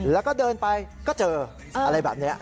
แล้วก็เดินไปก็เจออะไรแบบนี้